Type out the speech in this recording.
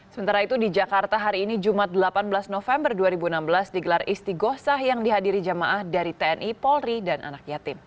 sementara itu di jakarta hari ini jumat delapan belas november dua ribu enam belas digelar isti gosah yang dihadiri jamaah dari tni polri dan anak yatim